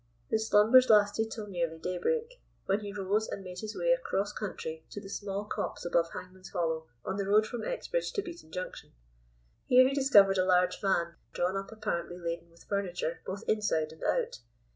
His slumbers lasted till nearly daybreak, when he rose and made his way across country to the small copse above Hangman's Hollow on the road from Exbridge to Beaton Junction. Here he discovered a large van drawn up apparently laden with furniture both inside and out.